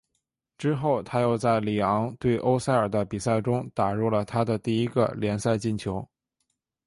之后他又在里昂对欧塞尔的比赛中打入了他的第一个联赛进球。